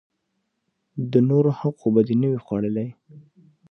د نورو حق خو به دې نه وي خوړلئ!